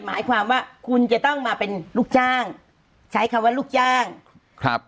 หมายความว่าคุณจะต้องมาเป็นลูกจ้างใช้คำว่าลูกจ้างครับ